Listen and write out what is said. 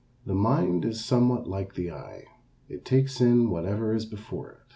The mind is somewhat like the eye. It takes in whatever is before it.